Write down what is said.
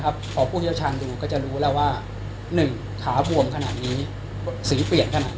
ว่าหมอสามารถตรวจดูได้โดยที่ไม่ต้องใช้อุปกรณ์พิทยาศาสตร์